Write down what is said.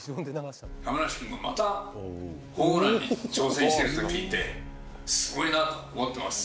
亀梨君がまたホームランに挑戦していると聞いて、すごいなと思ってます。